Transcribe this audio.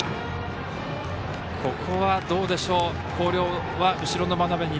ここはどうでしょう、広陵は後ろの真鍋に